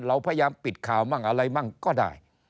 เราพยายามปิดข่าวมั่งอะไรมั่งก็ได้